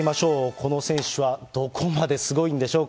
この選手はどこまですごいんでしょうか。